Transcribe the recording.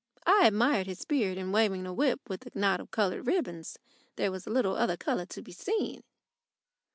I admired his spirit in waving a whip with a knot of coloured ribbons. There was little other colour to be seen.